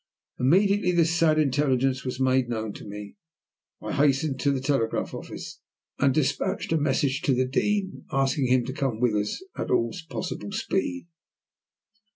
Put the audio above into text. Immediately this sad intelligence was made known to me I hastened to the telegraph office, and despatched a message to the Dean, asking him to come to us with all possible speed.